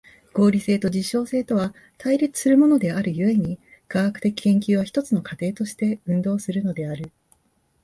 合理性と実証性とは対立するものである故に、科学的研究は一つの過程として運動するのである。